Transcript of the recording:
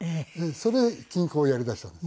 それで金工をやり出したんです。